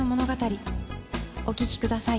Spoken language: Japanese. お聴きください。